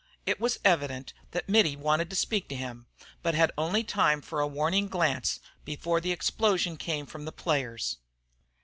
It was evident that Mittie wanted to speak to him, but had only time for a warning glance before the explosion came from the players.